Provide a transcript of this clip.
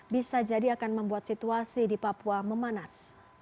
bisa jadi akan membuat situasi di papua memanas